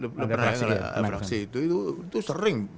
praksi itu sering